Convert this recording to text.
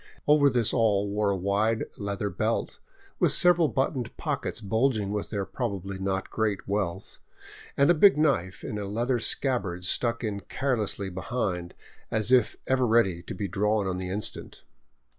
Over this all wore a wide leather belt, with several buttoned pockets bulging with their probably not great wealth, and a big knife in a leather scabbard stuck in carelessly behind, as if ever ready to be drawn on the instant.